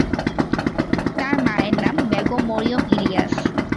তার মায়ের নাম বেগম মরিয়ম ইলিয়াস।